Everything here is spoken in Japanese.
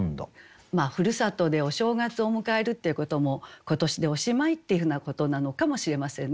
故郷でお正月を迎えるっていうことも今年でおしまいっていうふうなことなのかもしれませんね。